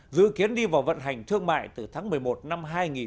dự kiến đi vào vận hành thương mại từ tháng một mươi một năm hai nghìn một mươi một